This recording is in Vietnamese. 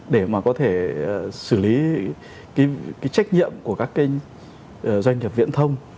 để mà có thể xử lý cái trách nhiệm của các doanh nghiệp viễn thông